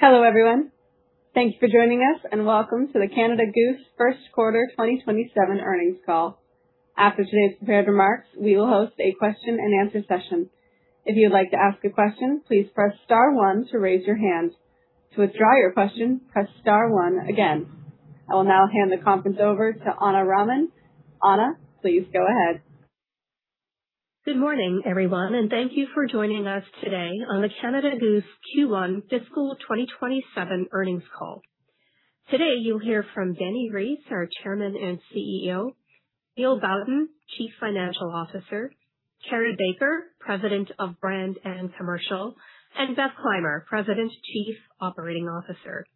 Hello, everyone. Thank you for joining us, and welcome to the Canada Goose first quarter 2027 earnings call. After today's prepared remarks, we will host a question and answer session. If you'd like to ask a question, please press star one to raise your hand. To withdraw your question, press star one again. I will now hand the conference over to Anna Raman. Anna, please go ahead. Good morning, everyone, and thank you for joining us today on the Canada Goose Q1 fiscal 2027 earnings call. Today, you'll hear from Dani Reiss, our Chairman and CEO; Neil Bowden, Chief Financial Officer; Carrie Baker, President of Brand and Commercial; and Beth Clymer, President, Chief Operating Officer.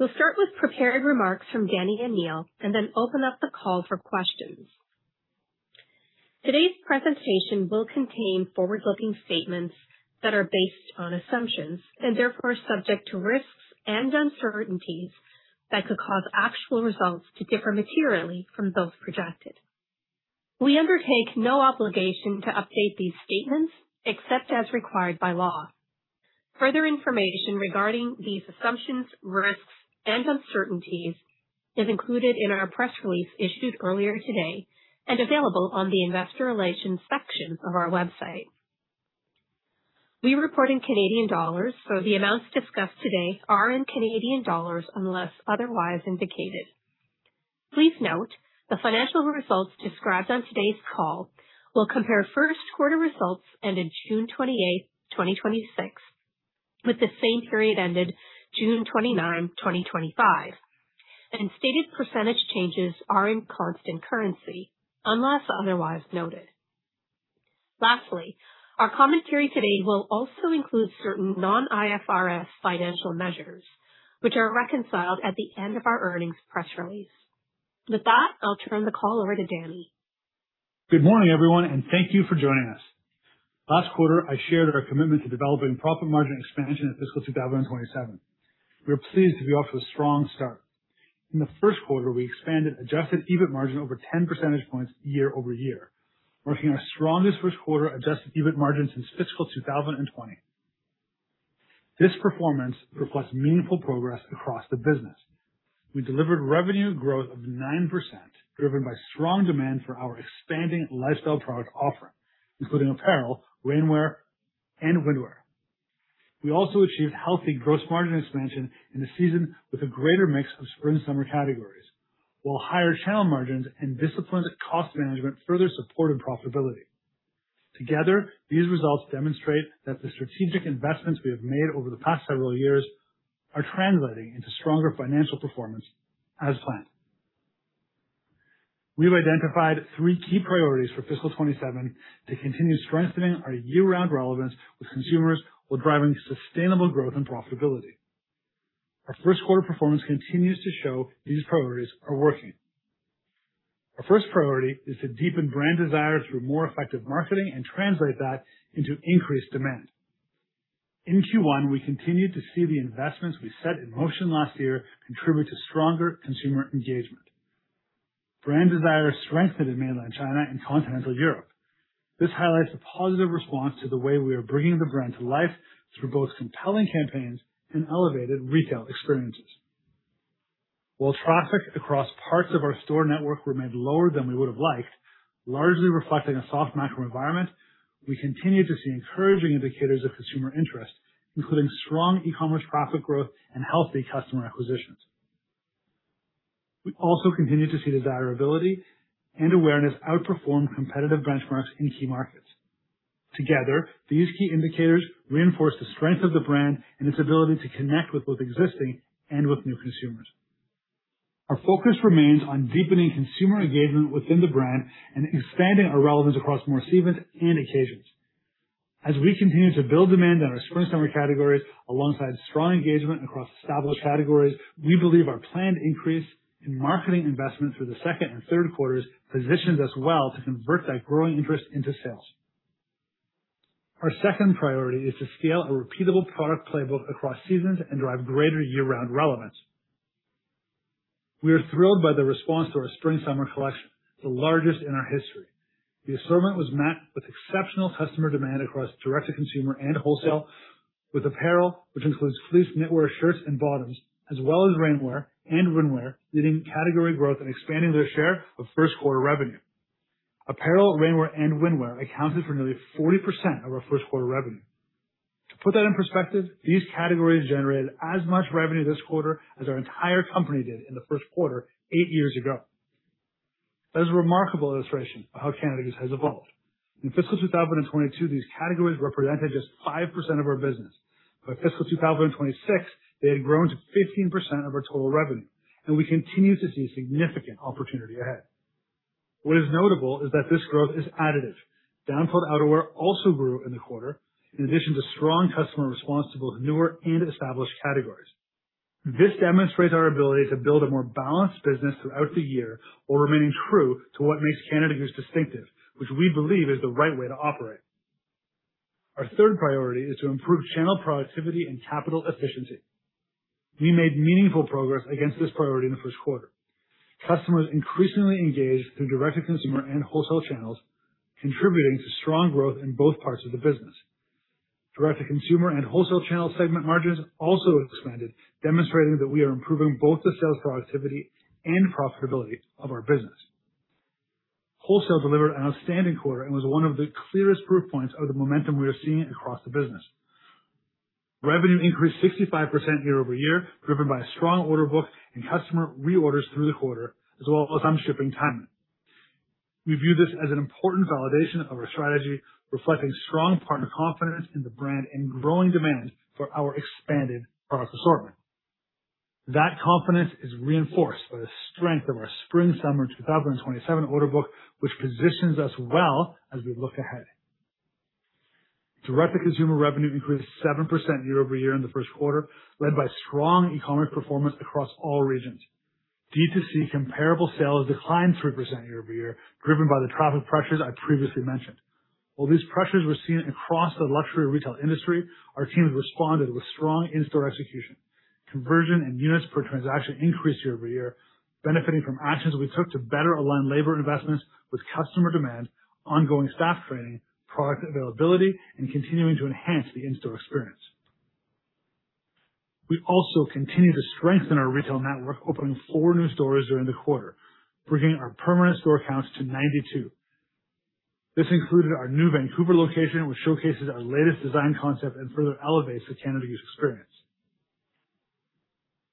We'll start with prepared remarks from Dani and Neil and then open up the call for questions. Today's presentation will contain forward-looking statements that are based on assumptions and therefore are subject to risks and uncertainties that could cause actual results to differ materially from those projected. We undertake no obligation to update these statements except as required by law. Further information regarding these assumptions, risks, and uncertainties is included in our press release issued earlier today and available on the investor relations section of our website. We report in Canadian dollars, the amounts discussed today are in Canadian dollars unless otherwise indicated. Please note the financial results described on today's call will compare first quarter results ended June 28th, 2026, with the same period ended June 29th, 2025, and stated percentage changes are in constant currency unless otherwise noted. Lastly, our commentary today will also include certain non-IFRS financial measures, which are reconciled at the end of our earnings press release. With that, I'll turn the call over to Dani. Good morning, everyone, and thank you for joining us. Last quarter, I shared our commitment to developing profit margin expansion in fiscal 2027. We are pleased to be off to a strong start. In the first quarter, we expanded adjusted EBIT margin over 10 percentage points year-over-year, marking our strongest first quarter adjusted EBIT margin since fiscal 2020. This performance reflects meaningful progress across the business. We delivered revenue growth of 9%, driven by strong demand for our expanding lifestyle product offering, including apparel, rainwear, and windwear. We also achieved healthy gross margin expansion in the season with a greater mix of spring/summer categories, while higher channel margins and disciplined cost management further supported profitability. Together, these results demonstrate that the strategic investments we have made over the past several years are translating into stronger financial performance as planned. We've identified three key priorities for fiscal 2027 to continue strengthening our year-round relevance with consumers while driving sustainable growth and profitability. Our first quarter performance continues to show these priorities are working. Our first priority is to deepen brand desire through more effective marketing and translate that into increased demand. In Q1, we continued to see the investments we set in motion last year contribute to stronger consumer engagement. Brand desire strengthened in mainland China and continental Europe. This highlights the positive response to the way we are bringing the brand to life through both compelling campaigns and elevated retail experiences. While traffic across parts of our store network remained lower than we would have liked, largely reflecting a soft macro environment, we continue to see encouraging indicators of consumer interest, including strong e-commerce profit growth and healthy customer acquisitions. We also continue to see desirability and awareness outperform competitive benchmarks in key markets. Together, these key indicators reinforce the strength of the brand and its ability to connect with both existing and with new consumers. Our focus remains on deepening consumer engagement within the brand and expanding our relevance across more seasons and occasions. As we continue to build demand in our spring/summer categories alongside strong engagement across established categories, we believe our planned increase in marketing investment through the second and third quarters positions us well to convert that growing interest into sales. Our second priority is to scale a repeatable product playbook across seasons and drive greater year-round relevance. We are thrilled by the response to our spring/summer collection, the largest in our history. The assortment was met with exceptional customer demand across direct-to-consumer and wholesale, with apparel, which includes fleece knitwear, shirts, and bottoms, as well as rainwear and windwear, leading category growth and expanding their share of first quarter revenue. Apparel, rainwear, and windwear accounted for nearly 40% of our first quarter revenue. To put that in perspective, these categories generated as much revenue this quarter as our entire company did in the first quarter eight years ago. That is a remarkable illustration of how Canada Goose has evolved. In fiscal 2022, these categories represented just 5% of our business. By fiscal 2026, they had grown to 15% of our total revenue, and we continue to see significant opportunity ahead. What is notable is that this growth is additive. Down-filled outerwear also grew in the quarter. In addition to strong customer response to both newer and established categories. This demonstrates our ability to build a more balanced business throughout the year while remaining true to what makes Canada Goose distinctive, which we believe is the right way to operate. Our third priority is to improve channel productivity and capital efficiency. We made meaningful progress against this priority in the first quarter. Customers increasingly engaged through direct-to-consumer and wholesale channels, contributing to strong growth in both parts of the business. Direct-to-consumer and wholesale channel segment margins also expanded, demonstrating that we are improving both the sales productivity and profitability of our business. Wholesale delivered an outstanding quarter and was one of the clearest proof points of the momentum we are seeing across the business. Revenue increased 65% year-over-year, driven by a strong order book and customer reorders through the quarter, as well as on shipping timing. We view this as an important validation of our strategy, reflecting strong partner confidence in the brand and growing demand for our expanded product assortment. That confidence is reinforced by the strength of our spring-summer 2027 order book, which positions us well as we look ahead. Direct-to-consumer revenue increased 7% year-over-year in the first quarter, led by strong e-commerce performance across all regions. D2C comparable sales declined 3% year-over-year, driven by the traffic pressures I previously mentioned. While these pressures were seen across the luxury retail industry, our teams responded with strong in-store execution. Conversion and units per transaction increased year-over-year, benefiting from actions we took to better align labor investments with customer demand, ongoing staff training, product availability, and continuing to enhance the in-store experience. We also continue to strengthen our retail network, opening four new stores during the quarter, bringing our permanent store counts to 92. This included our new Vancouver location, which showcases our latest design concept and further elevates the Canada Goose experience.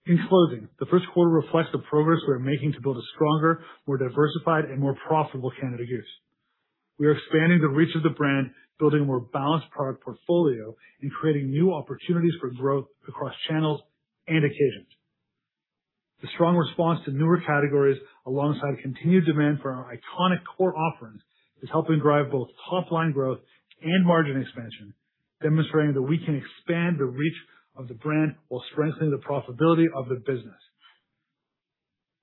In closing, the first quarter reflects the progress we are making to build a stronger, more diversified, and more profitable Canada Goose. We are expanding the reach of the brand, building a more balanced product portfolio, and creating new opportunities for growth across channels and occasions. The strong response to newer categories, alongside continued demand for our iconic core offerings, is helping drive both top-line growth and margin expansion, demonstrating that we can expand the reach of the brand while strengthening the profitability of the business.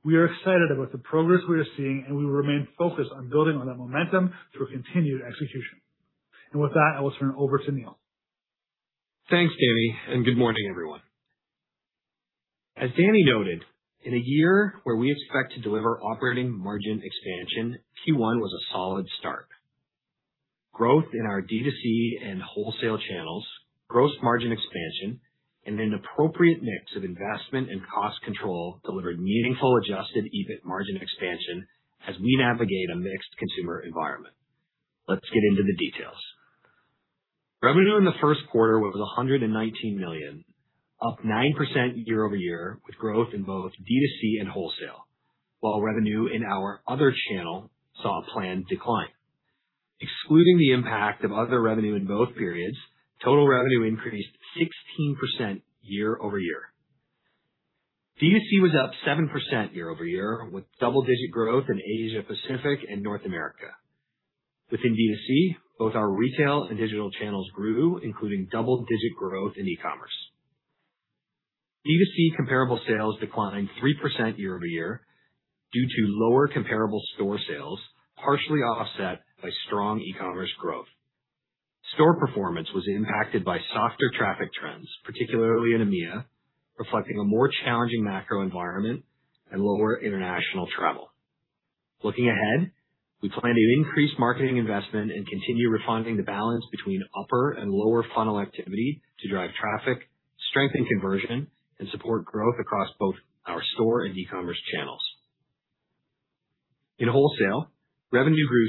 We are excited about the progress we are seeing, and we remain focused on building on that momentum through continued execution. With that, I will turn it over to Neil. Thanks, Dani, and good morning, everyone. As Dani noted, in a year where we expect to deliver operating margin expansion, Q1 was a solid start. Growth in our D2C and wholesale channels, gross margin expansion, and an appropriate mix of investment and cost control delivered meaningful adjusted EBIT margin expansion as we navigate a mixed consumer environment. Let's get into the details. Revenue in the first quarter was 119 million, up 9% year-over-year, with growth in both D2C and wholesale. While revenue in our other channel saw a planned decline. Excluding the impact of other revenue in both periods, total revenue increased 16% year-over-year. D2C was up 7% year-over-year, with double-digit growth in Asia Pacific and North America. Within D2C, both our retail and digital channels grew, including double-digit growth in e-commerce. D2C comparable sales declined 3% year-over-year due to lower comparable store sales, partially offset by strong e-commerce growth. Store performance was impacted by softer traffic trends, particularly in EMEA, reflecting a more challenging macro environment and lower international travel. Looking ahead, we plan to increase marketing investment and continue refining the balance between upper and lower funnel activity to drive traffic, strengthen conversion, and support growth across both our store and e-commerce channels. In wholesale, revenue grew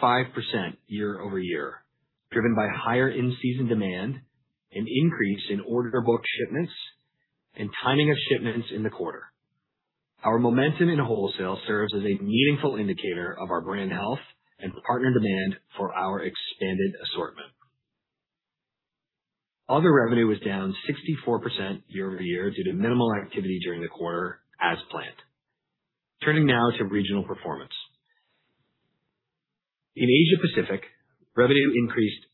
65% year-over-year, driven by higher in-season demand, an increase in order book shipments, and timing of shipments in the quarter. Our momentum in wholesale serves as a meaningful indicator of our brand health and partner demand for our expanded assortment. Other revenue was down 64% year-over-year due to minimal activity during the quarter as planned. Turning now to regional performance. In Asia Pacific, revenue increased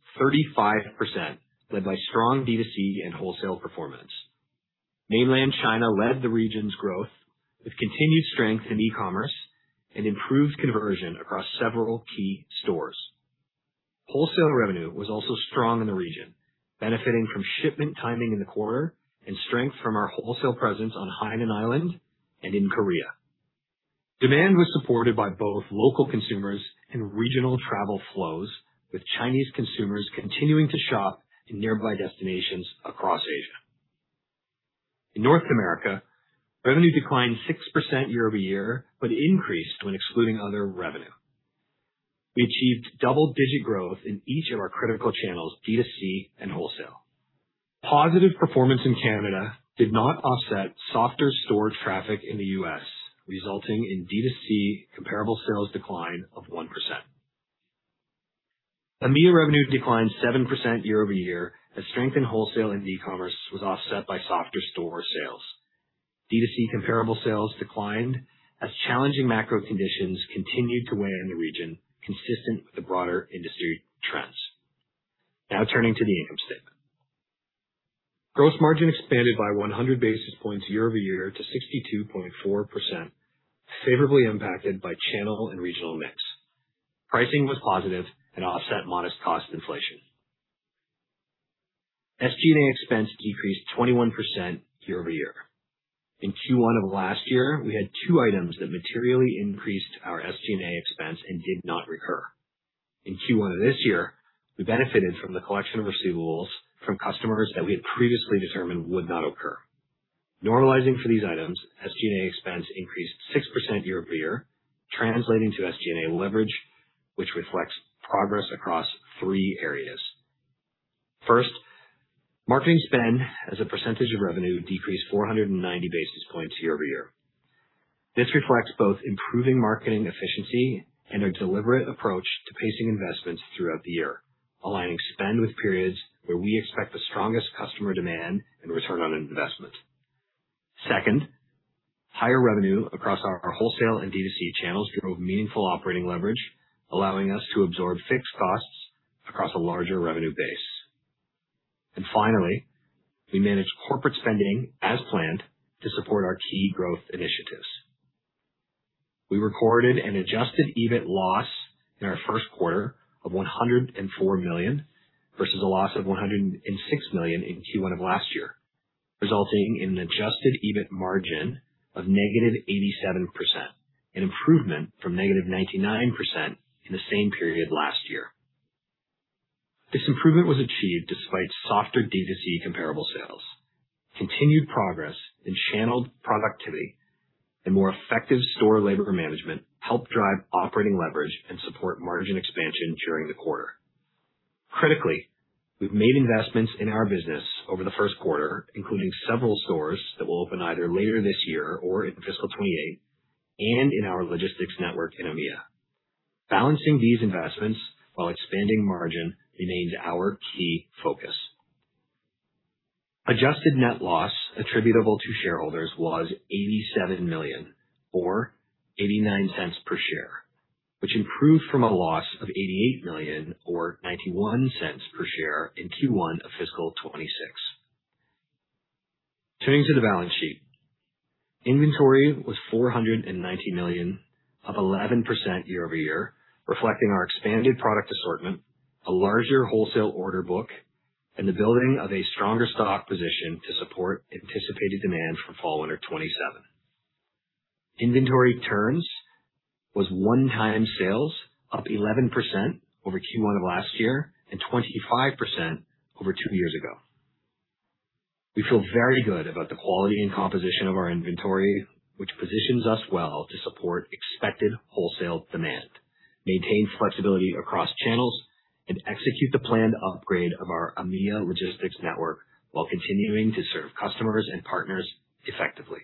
35%, led by strong D2C and wholesale performance. Mainland China led the region's growth with continued strength in e-commerce and improved conversion across several key stores. Wholesale revenue was also strong in the region, benefiting from shipment timing in the quarter and strength from our wholesale presence on Hainan Island and in Korea. Demand was supported by both local consumers and regional travel flows, with Chinese consumers continuing to shop in nearby destinations across Asia. In North America, revenue declined 6% year-over-year, but increased when excluding other revenue. We achieved double-digit growth in each of our critical channels, D2C and wholesale. Positive performance in Canada did not offset softer store traffic in the U.S., resulting in D2C comparable sales decline of 1%. EMEA revenue declined 7% year-over-year as strengthened wholesale and e-commerce was offset by softer store sales. D2C comparable sales declined as challenging macro conditions continued to weigh on the region, consistent with the broader industry trends. Now turning to the income statement. Gross margin expanded by 100 basis points year-over-year to 62.4%, favorably impacted by channel and regional mix. Pricing was positive and offset modest cost inflation. SG&A expense decreased 21% year-over-year. In Q1 of last year, we had two items that materially increased our SG&A expense and did not recur. In Q1 of this year, we benefited from the collection of receivables from customers that we had previously determined would not occur. Normalizing for these items, SG&A expense increased 6% year-over-year, translating to SG&A leverage, which reflects progress across three areas. First, marketing spend as a percentage of revenue decreased 490 basis points year-over-year. This reflects both improving marketing efficiency and a deliberate approach to pacing investments throughout the year, aligning spend with periods where we expect the strongest customer demand and return on investment. Second, higher revenue across our wholesale and D2C channels drove meaningful operating leverage, allowing us to absorb fixed costs across a larger revenue base. Finally, we managed corporate spending as planned to support our key growth initiatives. We recorded an adjusted EBIT loss in our first quarter of 104 million versus a loss of 106 million in Q1 of last year, resulting in an adjusted EBIT margin of negative 87%, an improvement from negative 99% in the same period last year. This improvement was achieved despite softer D2C comparable sales. Continued progress in channeled productivity and more effective store labor management helped drive operating leverage and support margin expansion during the quarter. Critically, we've made investments in our business over the first quarter, including several stores that will open either later this year or in fiscal 2028, and in our logistics network in EMEA. Balancing these investments while expanding margin remains our key focus. Adjusted net loss attributable to shareholders was 87 million, or 0.89 per share, which improved from a loss of 88 million, or 0.91 per share, in Q1 of fiscal 2026. Turning to the balance sheet. Inventory was 490 million, up 11% year-over-year, reflecting our expanded product assortment, a larger wholesale order book, and the building of a stronger stock position to support anticipated demand for fall/winter 2027. Inventory turns was one times sales, up 11% over Q1 of last year and 25% over two years ago. We feel very good about the quality and composition of our inventory, which positions us well to support expected wholesale demand, maintain flexibility across channels, and execute the planned upgrade of our EMEA logistics network while continuing to serve customers and partners effectively.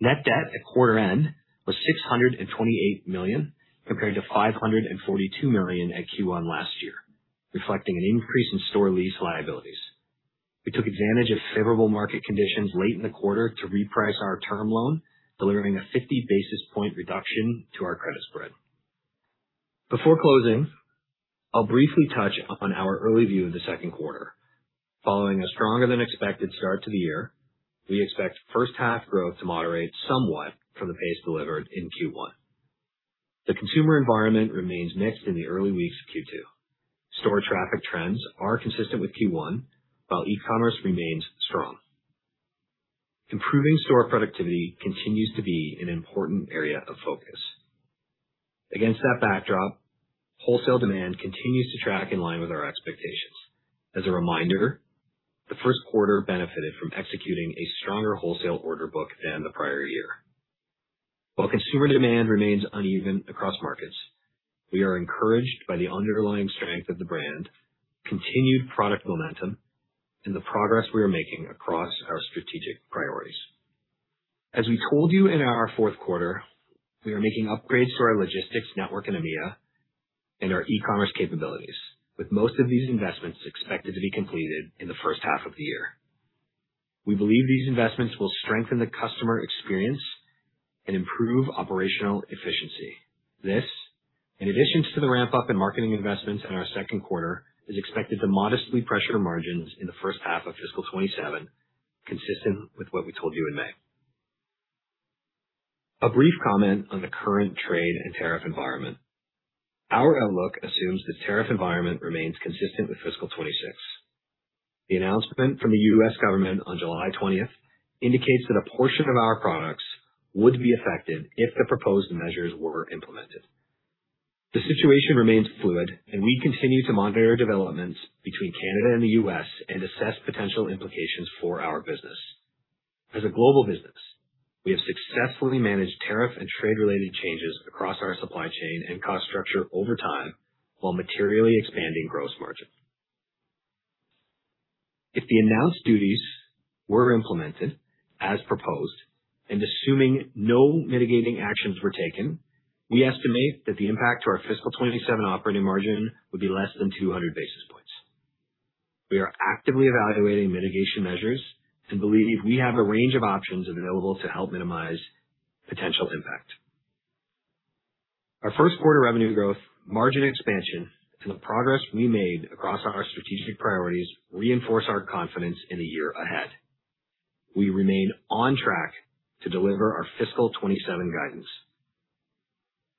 Net debt at quarter end was 628 million, compared to 542 million at Q1 last year, reflecting an increase in store lease liabilities. We took advantage of favorable market conditions late in the quarter to reprice our term loan, delivering a 50 basis point reduction to our credit spread. Before closing, I'll briefly touch on our early view of the second quarter. Following a stronger than expected start to the year, we expect first half growth to moderate somewhat from the pace delivered in Q1. The consumer environment remains mixed in the early weeks of Q2. Store traffic trends are consistent with Q1, while e-commerce remains strong. Improving store productivity continues to be an important area of focus. Against that backdrop, wholesale demand continues to track in line with our expectations. As a reminder, the first quarter benefited from executing a stronger wholesale order book than the prior year. While consumer demand remains uneven across markets, we are encouraged by the underlying strength of the brand, continued product momentum, and the progress we are making across our strategic priorities. As we told you in our fourth quarter, we are making upgrades to our logistics network in EMEA and our e-commerce capabilities, with most of these investments expected to be completed in the first half of the year. We believe these investments will strengthen the customer experience and improve operational efficiency. This, in addition to the ramp up in marketing investments in our second quarter, is expected to modestly pressure margins in the first half of fiscal 2027, consistent with what we told you in May. A brief comment on the current trade and tariff environment. Our outlook assumes the tariff environment remains consistent with fiscal 2026. The announcement from the U.S. government on July 20th indicates that a portion of our products would be affected if the proposed measures were implemented. The situation remains fluid and we continue to monitor developments between Canada and the U.S. and assess potential implications for our business. As a global business, we have successfully managed tariff and trade-related changes across our supply chain and cost structure over time while materially expanding gross margin. If the announced duties were implemented as proposed and assuming no mitigating actions were taken, we estimate that the impact to our fiscal 2027 operating margin would be less than 200 basis points. We are actively evaluating mitigation measures and believe we have a range of options available to help minimize potential impact. Our first quarter revenue growth, margin expansion, and the progress we made across our strategic priorities reinforce our confidence in the year ahead. We remain on track to deliver our fiscal 2027 guidance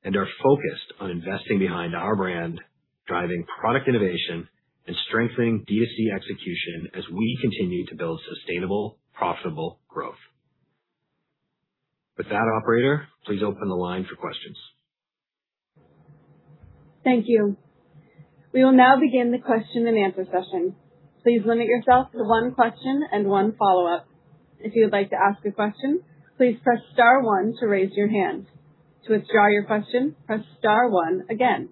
and are focused on investing behind our brand, driving product innovation, and strengthening DTC execution as we continue to build sustainable, profitable growth. With that, operator, please open the line for questions. Thank you. We will now begin the question and answer session. Please limit yourself to one question and one follow-up. If you would like to ask a question, please press star one to raise your hand. To withdraw your question, press star one again.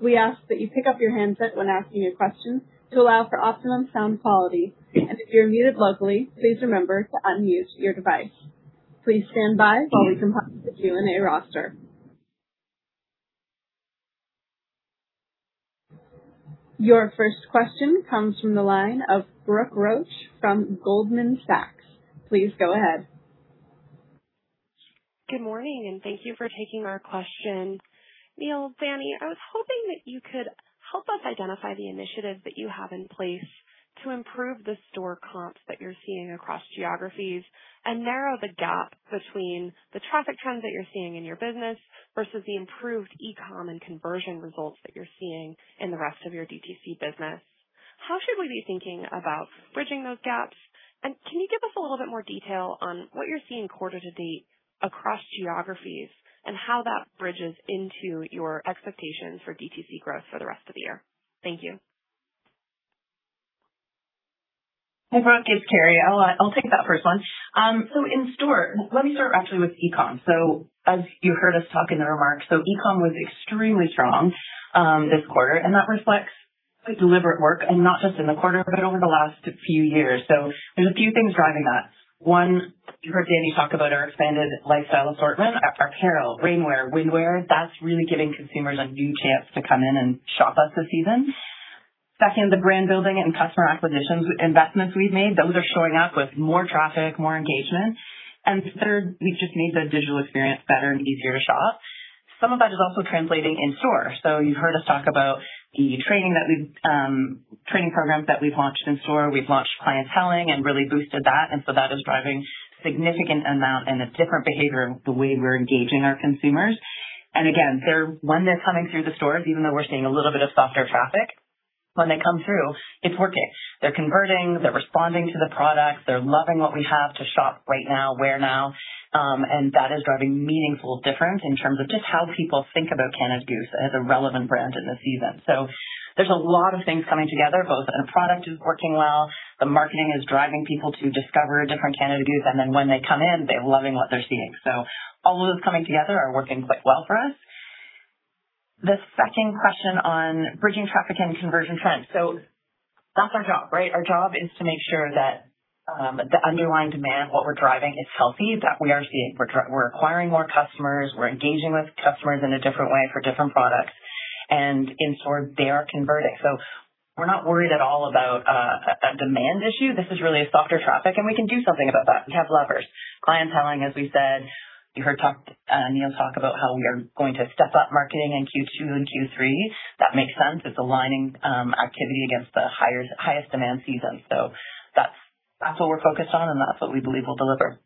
We ask that you pick up your handset when asking a question to allow for optimum sound quality. If you're muted locally, please remember to unmute your device. Please stand by while we compile the Q&A roster. Your first question comes from the line of Brooke Roach from Goldman Sachs. Please go ahead. Good morning, thank you for taking our question. Neil, Dani, I was hoping that you could help us identify the initiatives that you have in place to improve the store comps that you're seeing across geographies and narrow the gap between the traffic trends that you're seeing in your business versus the improved e-com and conversion results that you're seeing in the rest of your DTC business. How should we be thinking about bridging those gaps? Can you give us a little bit more detail on what you're seeing quarter-to-date across geographies and how that bridges into your expectations for DTC growth for the rest of the year? Thank you. Hi, Brooke. It's Carrie. I'll take that first one. In store-- Let me start actually with e-com. As you heard us talk in the remarks, e-com was extremely strong this quarter, and that reflects deliberate work, not just in the quarter, but over the last few years. There's a few things driving that. One, you heard Dani talk about our expanded lifestyle assortment, apparel, rainwear, windwear. That's really giving consumers a new chance to come in and shop us this season. Second, the brand building and customer acquisitions investments we've made, those are showing up with more traffic, more engagement. Third, we've just made the digital experience better and easier to shop. Some of that is also translating in-store. You heard us talk about the training programs that we've launched in-store. We've launched clienteling and really boosted that. That is driving significant amount and a different behavior in the way we're engaging our consumers. Again, when they're coming through the stores, even though we're seeing a little bit of softer traffic, when they come through, it's working. They're converting. They're responding to the products. They're loving what we have to shop right now, wear now. That is driving meaningful difference in terms of just how people think about Canada Goose as a relevant brand in the season. There's a lot of things coming together, both the product is working well, the marketing is driving people to discover different Canada Goose, and then when they come in, they're loving what they're seeing. All of those coming together are working quite well for us. The second question on bridging traffic and conversion trends. That's our job, right? Our job is to make sure that the underlying demand, what we're driving is healthy, that we're acquiring more customers, we're engaging with customers in a different way for different products. In stores, they are converting. We're not worried at all about a demand issue. This is really a softer traffic, and we can do something about that. We have levers. Clienteling, as we said. You heard Neil talk about how we are going to step up marketing in Q2 and Q3. That makes sense. It's aligning activity against the highest demand season. That's what we're focused on, and that's what we believe will deliver.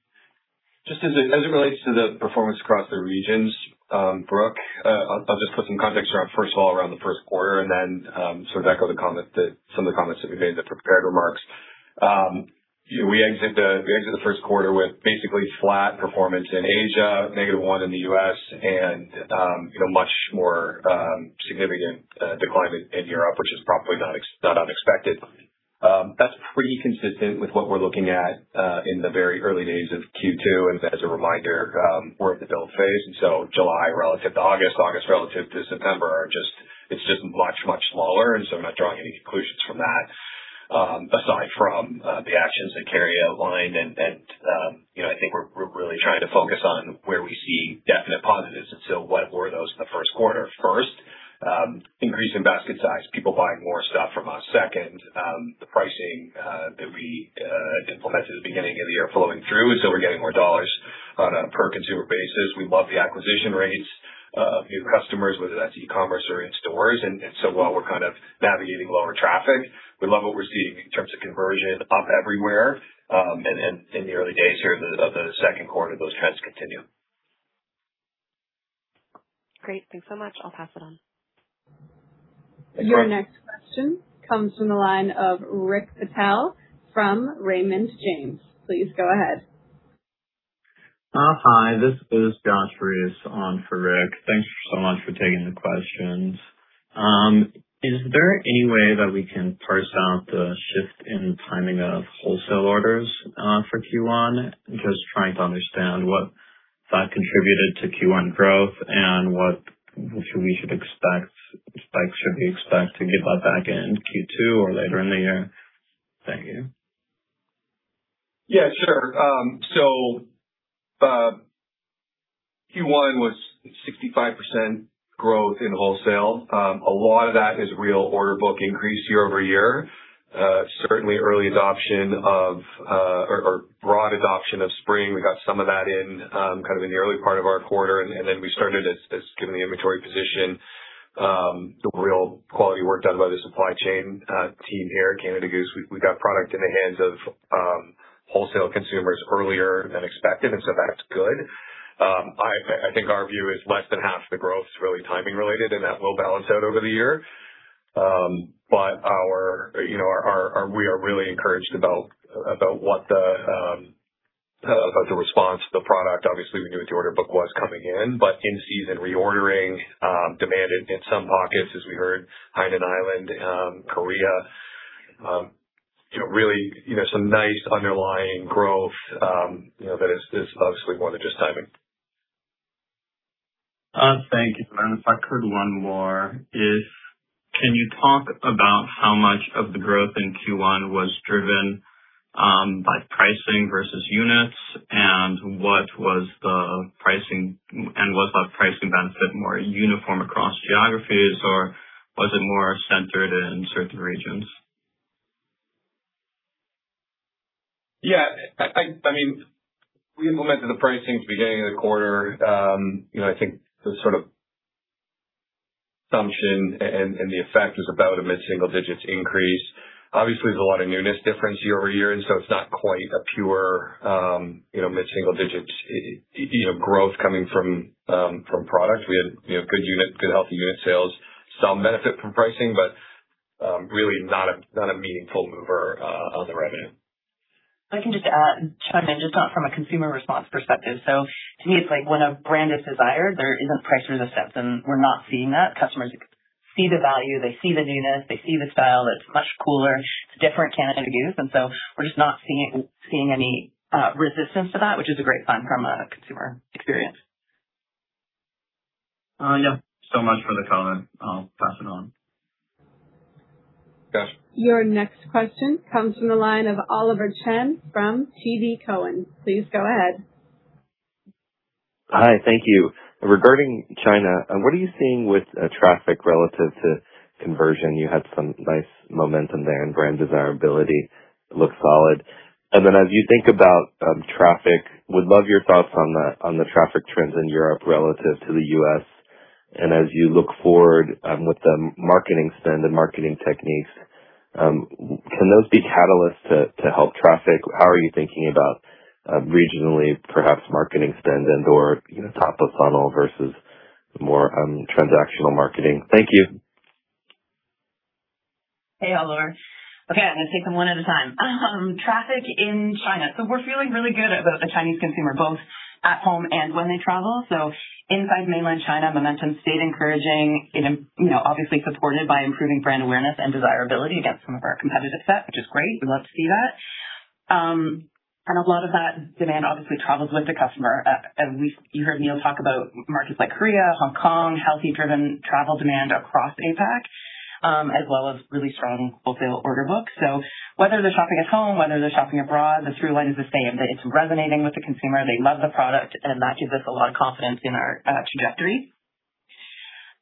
Just as it relates to the performance across the regions, Brooke, I'll just put some context around, first of all, around the first quarter and then sort of echo some of the comments that we made in the prepared remarks. We exit the first quarter with basically flat performance in Asia, negative one in the U.S., and much more significant decline in Europe, which is probably not unexpected. That's pretty consistent with what we're looking at in the very early days of Q2. As a reminder, we're at the build phase, July relative to August relative to September, it's just much, much lower, I'm not drawing any conclusions from that. Aside from the actions that Carrie outlined, I think we're really trying to focus on where we see definite positives, what were those in the first quarter? First, increase in basket size, people buying more stuff from us. Second, the pricing that we implemented at the beginning of the year flowing through, and so we're getting more CAD on a per consumer basis. We love the acquisition rates of new customers, whether that's e-commerce or in stores. While we're kind of navigating lower traffic, we love what we're seeing in terms of conversion up everywhere. In the early days here of the second quarter, those trends continue. Great. Thanks so much. I'll pass it on. Your next question comes from the line of Rick Patel from Raymond James. Please go ahead. Hi, this is Josh Reiss on for Rick. Thanks so much for taking the questions. Is there any way that we can parse out the shift in timing of wholesale orders for Q1? Just trying to understand what that contributed to Q1 growth and what spikes should we expect to get that back in Q2 or later in the year? Thank you. Yeah, sure. Q1 was 65% growth in wholesale. A lot of that is real order book increase year-over-year. Certainly early adoption of or broad adoption of spring. We got some of that in kind of in the early part of our quarter, we started as given the inventory position, the real quality work done by the supply chain team here at Canada Goose. We got product in the hands of wholesale consumers earlier than expected, that's good. I think our view is less than half the growth is really timing related, that will balance out over the year. We are really encouraged about the response to the product. Obviously, we knew what the order book was coming in season reordering demanded in some pockets as we heard, Hainan Island, Korea. Some nice underlying growth that is obviously more than just timing. Thank you. If I could, one more. Can you talk about how much of the growth in Q1 was driven by pricing versus units? Was that pricing benefit more uniform across geographies, or was it more centered in certain regions? Yeah. We implemented the pricing at the beginning of the quarter. I think the assumption and the effect was about a mid-single-digit increase. Obviously, there's a lot of newness difference year-over-year, it's not quite a pure mid-single-digit growth coming from products. We had good, healthy unit sales. Some benefit from pricing, really not a meaningful mover of the revenue. I can just chime in, just from a consumer response perspective. To me, it's like when a brand is desired, there isn't price resistance, and we're not seeing that. Customers see the value. They see the newness. They see the style that's much cooler. It's a different Canada Goose, we're just not seeing any resistance to that, which is a great sign from a consumer experience. Yeah. Much for the comment. I'll pass it on. Yes. Your next question comes from the line of Oliver Chen from TD Cowen. Please go ahead. Hi. Thank you. Regarding China, what are you seeing with traffic relative to conversion? You had some nice momentum there, and brand desirability looks solid. Then as you think about traffic, would love your thoughts on the traffic trends in Europe relative to the U.S. As you look forward with the marketing spend and marketing techniques, can those be catalysts to help traffic? How are you thinking about regionally, perhaps marketing spend and/or top of funnel versus more transactional marketing? Thank you. Hey, Oliver. Okay, I'm going to take them one at a time. Traffic in China. We're feeling really good about the Chinese consumer, both at home and when they travel. Inside mainland China, momentum stayed encouraging, obviously supported by improving brand awareness and desirability against some of our competitive set, which is great. We love to see that. A lot of that demand obviously travels with the customer. You heard Neil talk about markets like Korea, Hong Kong, healthy driven travel demand across APAC, as well as really strong wholesale order books. Whether they're shopping at home, whether they're shopping abroad, the through line is the same, that it's resonating with the consumer. They love the product, and that gives us a lot of confidence in our trajectory.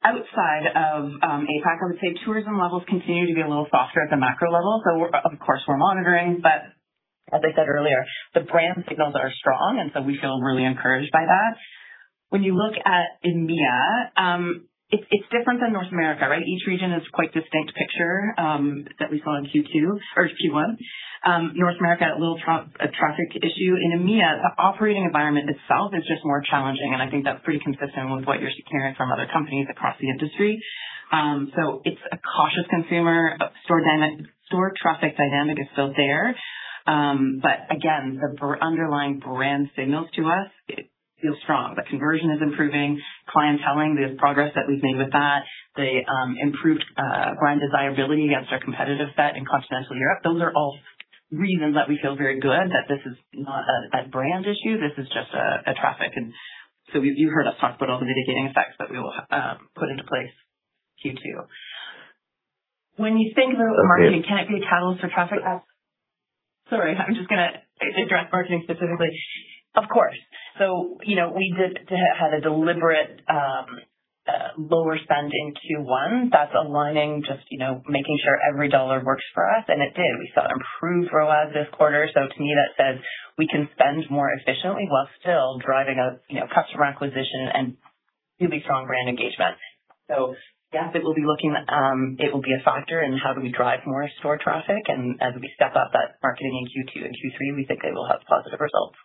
Outside of APAC, I would say tourism levels continue to be a little softer at the macro level. Of course, we're monitoring, but as I said earlier, the brand signals are strong. We feel really encouraged by that. When you look at EMEA, it's different than North America, right? Each region is quite distinct picture that we saw in Q1. North America, a little traffic issue. In EMEA, the operating environment itself is just more challenging, and I think that's pretty consistent with what you're hearing from other companies across the industry. It's a cautious consumer. Store traffic dynamic is still there. Again, the underlying brand signals to us, it feels strong. The conversion is improving. Clienteling, there's progress that we've made with that. The improved brand desirability against our competitive set in continental Europe. Those are all reasons that we feel very good that this is not a brand issue. This is just a traffic. You heard us talk about all the mitigating effects that we will put into place Q2. When you think about marketing, can it be a catalyst for traffic? Sorry, I'm just going to address marketing specifically. Of course. We had a deliberate lower spend in Q1 that's aligning, just making sure every dollar works for us. It did. We saw improved ROAS this quarter. To me, that says we can spend more efficiently while still driving up customer acquisition and really strong brand engagement. Yes, it will be a factor in how do we drive more store traffic, as we step up that marketing in Q2 and Q3, we think it will have positive results.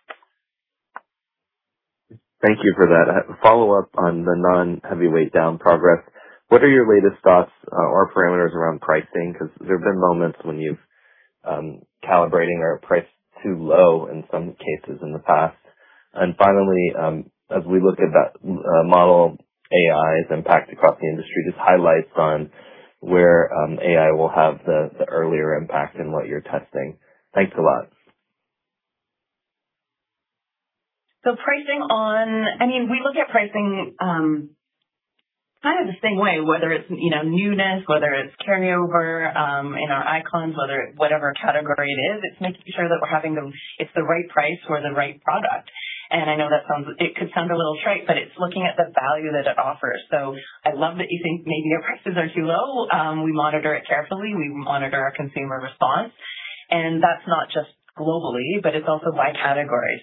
Thank you for that. A follow-up on the non-heavyweight down progress. What are your latest thoughts or parameters around pricing? Because there have been moments when you've calibrated or priced too low in some cases in the past. Finally, as we look at that model, AI's impact across the industry, just highlights on where AI will have the earlier impact and what you're testing. Thanks a lot. Pricing on We look at pricing kind of the same way, whether it's newness, whether it's carryover in our icons, whatever category it is, it's making sure that it's the right price for the right product. I know it could sound a little trite, but it's looking at the value that it offers. I love that you think maybe our prices are too low. We monitor it carefully. We monitor our consumer response. That's not just globally, but it's also by category.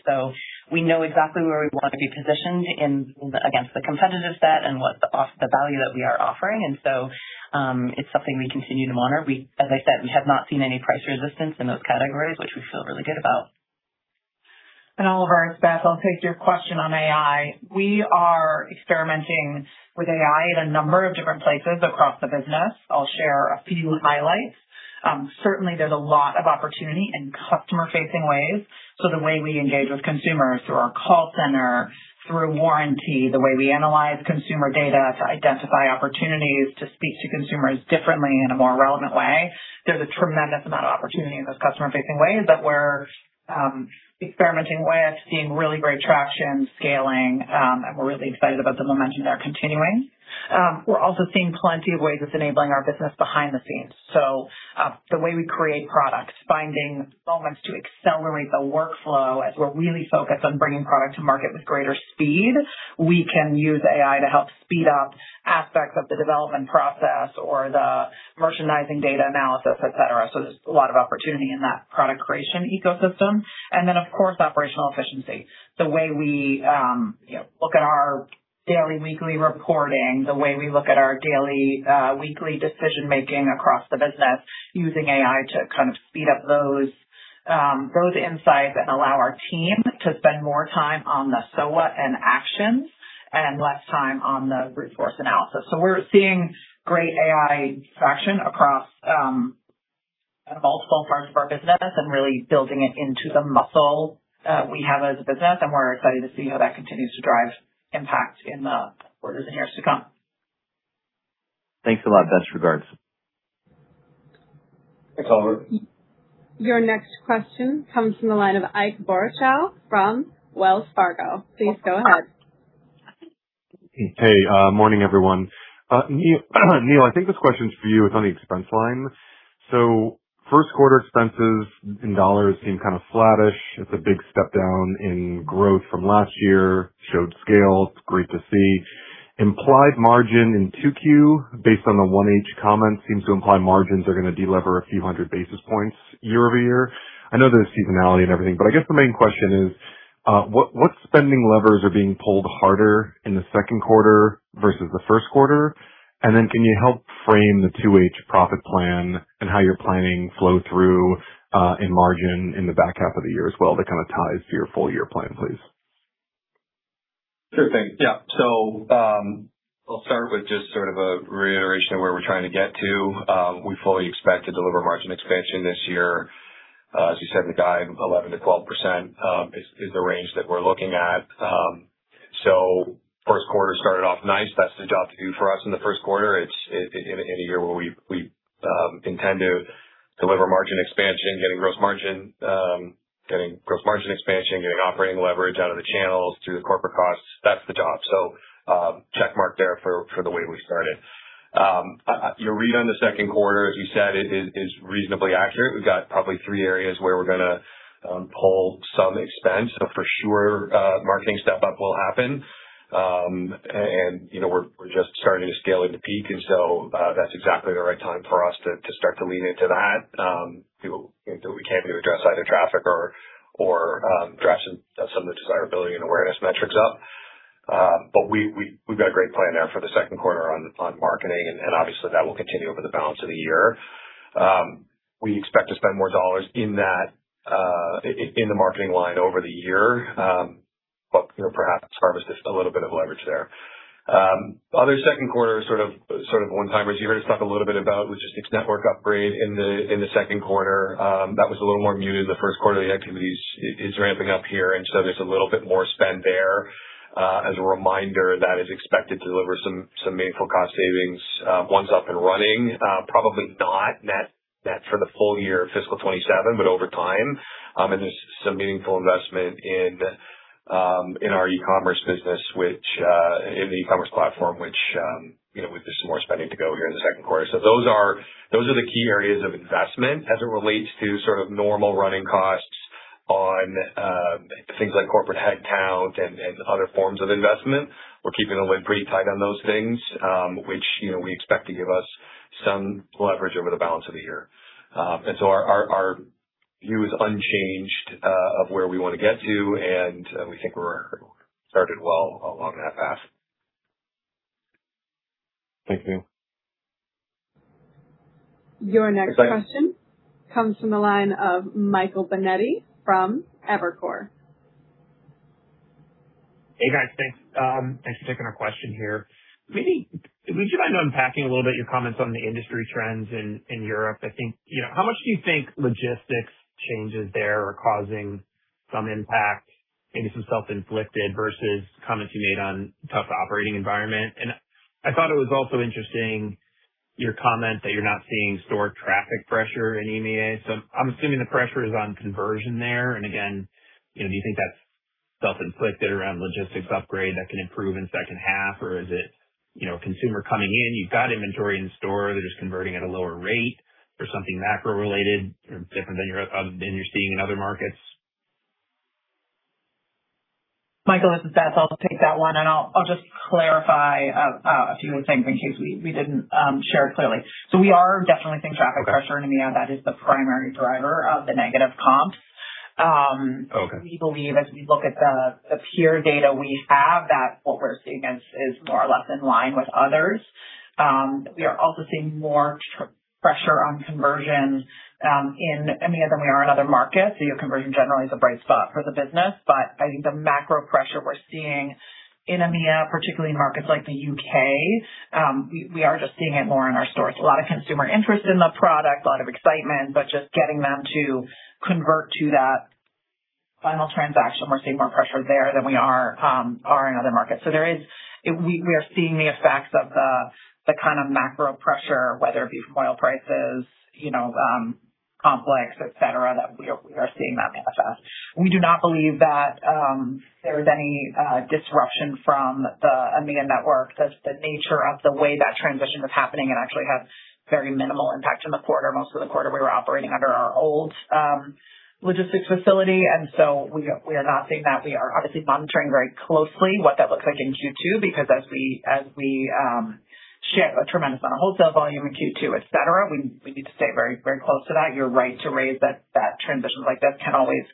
We know exactly where we want to be positioned against the competitive set and what the value that we are offering. It's something we continue to monitor. As I said, we have not seen any price resistance in those categories, which we feel really good about. Oliver, it's Beth. I'll take your question on AI. We are experimenting with AI in a number of different places across the business. I'll share a few highlights. Certainly, there's a lot of opportunity in customer-facing ways. The way we engage with consumers through our call center, through warranty, the way we analyze consumer data to identify opportunities to speak to consumers differently in a more relevant way. There's a tremendous amount of opportunity in those customer-facing ways that we're experimenting with, seeing really great traction, scaling, and we're really excited about the momentum there continuing. We're also seeing plenty of ways it's enabling our business behind the scenes. The way we create product, finding moments to accelerate the workflow as we're really focused on bringing product to market with greater speed. We can use AI to help speed up aspects of the development process or the merchandising data analysis, et cetera. There's a lot of opportunity in that product creation ecosystem. Of course, operational efficiency. The way we look at our daily, weekly reporting, the way we look at our daily, weekly decision-making across the business, using AI to kind of speed up those insights and allow our team to spend more time on the so what and actions and less time on the root cause analysis. We're seeing great AI traction across multiple parts of our business and really building it into the muscle that we have as a business, and we're excited to see how that continues to drive impact in the quarters and years to come. Thanks a lot. Best regards. Thanks, Oliver. Your next question comes from the line of Ike Boruchow from Wells Fargo. Please go ahead. Hey, morning everyone. Neil, I think this question is for you. It's on the expense line. First quarter expenses in CAD seem kind of flattish. It's a big step down in growth from last year, showed scale. It's great to see. Implied margin in 2Q, based on the 1H comments, seems to imply margins are going to delever a few hundred basis points year-over-year. I know there's seasonality and everything, but I guess the main question is, what spending levers are being pulled harder in the second quarter versus the first quarter? Can you help frame the 2H profit plan and how you're planning flow-through in margin in the back half of the year as well that kind of ties to your full year plan, please? Sure thing. I'll start with just sort of a reiteration of where we're trying to get to. We fully expect to deliver margin expansion this year. As you said in the guide, 11%-12% is the range that we're looking at. First quarter started off nice. That's the job to do for us in the first quarter. In a year where we intend to deliver margin expansion, getting gross margin expansion, getting operating leverage out of the channels through the corporate costs, that's the job. Check mark there for the way we started. Your read on the second quarter, as you said, is reasonably accurate. We've got probably three areas where we're going to pull some expense, for sure, marketing step-up will happen. We're just starting to scale into peak. That's exactly the right time for us to start to lean into that. We can't do it to outside of traffic or drive some of the desirability and awareness metrics up. We've got a great plan there for the second quarter on marketing. Obviously that will continue over the balance of the year. We expect to spend more CAD in the marketing line over the year. Perhaps harvest just a little bit of leverage there. Other second quarter sort of one-timers. You heard us talk a little bit about logistics network upgrade in the second quarter. That was a little more muted in the first quarter. The activity is ramping up here. There's a little bit more spend there. As a reminder, that is expected to deliver some meaningful cost savings once up and running. Probably not net for the full year fiscal 2027, but over time. There's some meaningful investment in our e-commerce business, in the e-commerce platform, which there's some more spending to go here in the second quarter. Those are the key areas of investment. As it relates to sort of normal running costs on things like corporate headcount and other forms of investment, we're keeping the lid pretty tight on those things, which we expect to give us some leverage over the balance of the year. Our view is unchanged of where we want to get to. We think we're started well along that path. Thank you. Your next question comes from the line of Michael Binetti from Evercore. Hey, guys. Thanks for taking our question here. Maybe would you mind unpacking a little bit your comments on the industry trends in Europe? How much do you think logistics changes there are causing some impact, maybe some self-inflicted versus comments you made on tough operating environment? I thought it was also interesting, your comment that you're not seeing store traffic pressure in EMEA. I'm assuming the pressure is on conversion there. Again, do you think that's self-inflicted around logistics upgrade that can improve in second half? Or is it consumer coming in, you've got inventory in store, they're just converting at a lower rate or something macro related different than you're seeing in other markets? Michael, this is Beth. I'll take that one, and I'll just clarify a few things in case we didn't share it clearly. We are definitely seeing traffic pressure in EMEA. That is the primary driver of the negative comps. Okay. We believe as we look at the peer data we have, that what we're seeing is more or less in line with others. We are also seeing more pressure on conversion in EMEA than we are in other markets. Your conversion generally is a bright spot for the business. I think the macro pressure we're seeing in EMEA, particularly in markets like the U.K., we are just seeing it more in our stores. A lot of consumer interest in the product, a lot of excitement, but just getting them to convert to that final transaction, we're seeing more pressure there than we are in other markets. We are seeing the effects of the kind of macro pressure, whether it be from oil prices, complex, et cetera, that we are seeing that manifest. We do not believe that there's any disruption from the EMEA network. The nature of the way that transition was happening, it actually had very minimal impact on the quarter. Most of the quarter, we were operating under our old logistics facility, and so we are not seeing that. We are obviously monitoring very closely what that looks like in Q2, because as we ship a tremendous amount of wholesale volume in Q2, et cetera, we need to stay very close to that. You're right to raise that transitions like this can always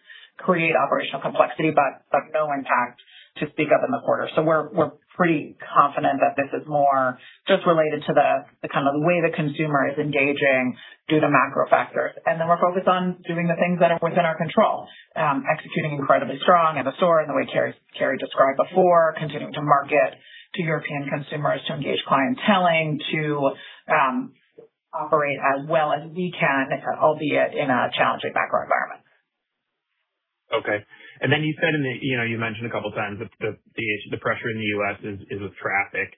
create operational complexity, but no impact to speak of in the quarter. We're pretty confident that this is more just related to the way the consumer is engaging due to macro factors. We're focused on doing the things that are within our control. Executing incredibly strong in the store in the way Carrie described before, continuing to market to European consumers, to engage clienteling, to operate as well as we can, albeit in a challenging macro environment. Okay. Then you said, you mentioned a couple of times the pressure in the U.S. is with traffic.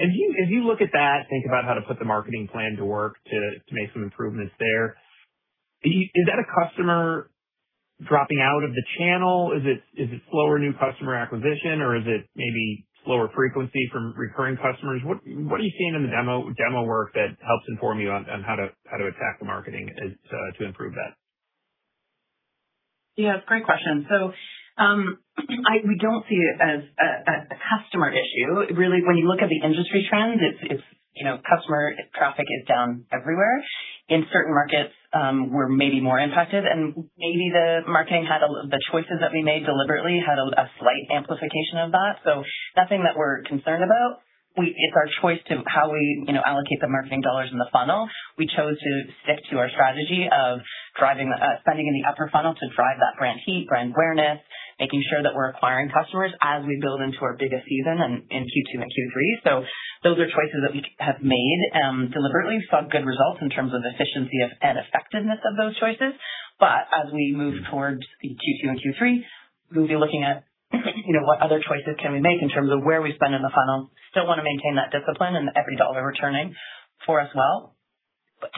As you look at that, think about how to put the marketing plan to work to make some improvements there, is that a customer dropping out of the channel? Is it slower new customer acquisition, or is it maybe slower frequency from recurring customers? What are you seeing in the demo work that helps inform you on how to attack the marketing to improve that? Yeah, great question. We don't see it as a customer issue. Really, when you look at the industry trends, customer traffic is down everywhere. In certain markets, we're maybe more impacted, and maybe the marketing, the choices that we made deliberately had a slight amplification of that. Nothing that we're concerned about. It's our choice to how we allocate the marketing dollars in the funnel. We chose to stick to our strategy of spending in the upper funnel to drive that brand heat, brand awareness, making sure that we're acquiring customers as we build into our biggest season in Q2 and Q3. Those are choices that we have made deliberately, saw good results in terms of efficiency and effectiveness of those choices. As we move towards the Q2 and Q3, we'll be looking at what other choices can we make in terms of where we spend in the funnel. Still want to maintain that discipline and every dollar returning for as well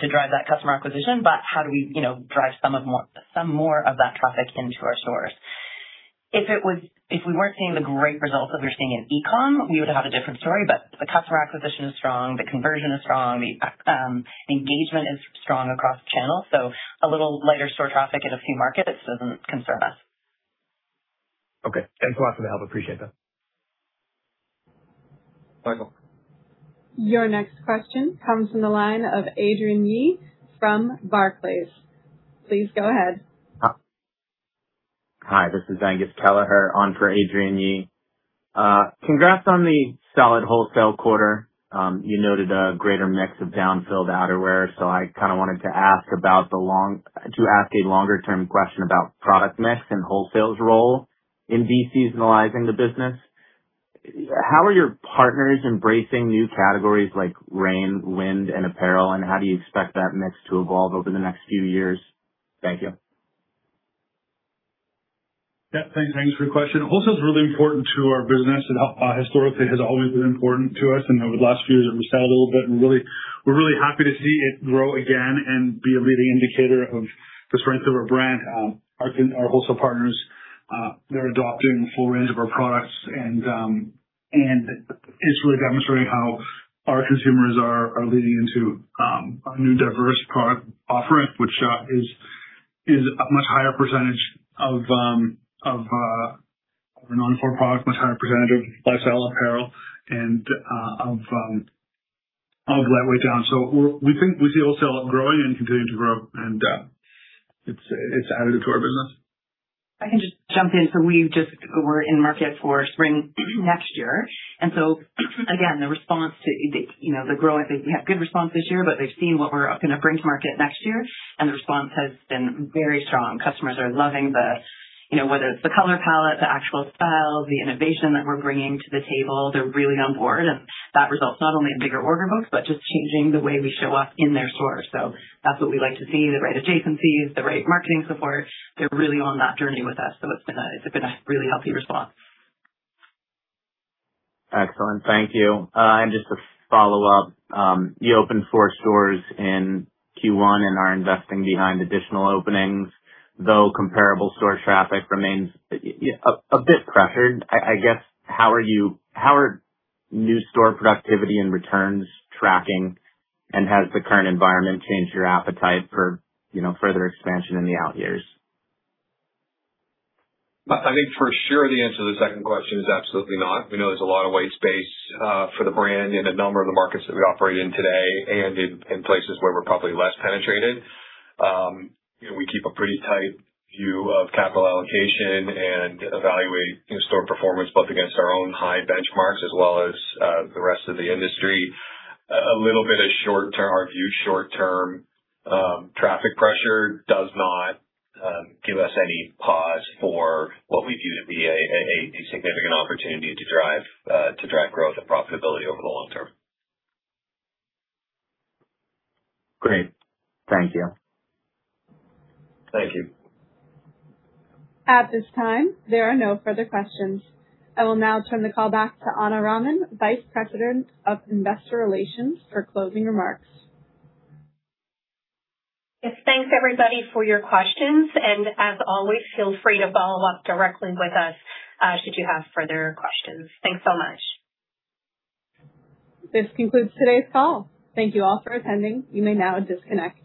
to drive that customer acquisition, but how do we drive some more of that traffic into our stores? If we weren't seeing the great results that we're seeing in e-com, we would have a different story. The customer acquisition is strong, the conversion is strong, the engagement is strong across channels. A little lighter store traffic in a few markets doesn't concern us. Okay. Thanks a lot for the help. Appreciate that. Michael. Your next question comes from the line of Adrian Yee from Barclays. Please go ahead. Hi, this is Angus Kelleher-Ferguson on for Adrian Yee. Congrats on the solid wholesale quarter. You noted a greater mix of down-filled outerwear. I kind of wanted to ask a longer-term question about product mix and wholesale's role in de-seasonalizing the business. How are your partners embracing new categories like rain, wind, and apparel, and how do you expect that mix to evolve over the next few years? Thank you. Yeah, thanks for the question. Wholesale is really important to our business. It historically has always been important to us, and over the last few years it receded a little bit, and we're really happy to see it grow again and be a leading indicator of the strength of our brand. Our wholesale partners, they're adopting the full range of our products. It's really demonstrating how our consumers are leaning into our new diverse product offering, which is a much higher percentage of our non-core products, much higher percentage of lifestyle apparel and of lightweight down. We see wholesale growing and continuing to grow, and it's additive to our business. If I can just jump in. We just were in market for spring next year. Again, we had good response this year, they've seen what we're going to bring to market next year, the response has been very strong. Customers are loving, whether it's the color palette, the actual styles, the innovation that we're bringing to the table, they're really on board. That results not only in bigger order books, but just changing the way we show up in their stores. That's what we like to see, the right adjacencies, the right marketing support. They're really on that journey with us, it's been a really healthy response. Excellent. Thank you. Just to follow up, you opened four stores in Q1 and are investing behind additional openings, though comparable store traffic remains a bit pressured. I guess, how are new store productivity and returns tracking, has the current environment changed your appetite for further expansion in the out years? I think for sure the answer to the second question is absolutely not. We know there's a lot of white space for the brand in a number of the markets that we operate in today and in places where we're probably less penetrated. We keep a pretty tight view of capital allocation and evaluate store performance both against our own high benchmarks as well as the rest of the industry. A little bit of our view short term. Traffic pressure does not give us any pause for what we view to be a significant opportunity to drive growth and profitability over the long term. Great. Thank you. Thank you. At this time, there are no further questions. I will now turn the call back to Anna Raman, Vice President of Investor Relations, for closing remarks. Yes, thanks everybody for your questions, and as always, feel free to follow up directly with us should you have further questions. Thanks so much. This concludes today's call. Thank you all for attending. You may now disconnect.